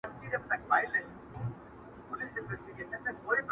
o د خپلو سره جنگ د ښيښې درز دئ!